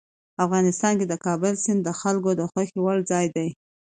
افغانستان کې د کابل سیند د خلکو د خوښې وړ ځای دی.